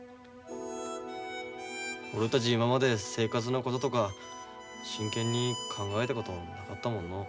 俺たち今まで生活のこととか真剣に考えたことなかったもんのう。